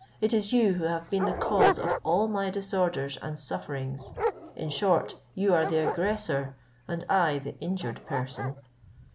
It is you who have been the cause of all my disorders and sufferings: in short, you are the aggressor, and I the injured person."